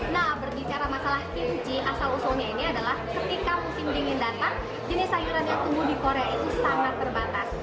nah berbicara masalah kinci asal usulnya ini adalah ketika musim dingin datang jenis sayuran yang tumbuh di korea itu sangat terbatas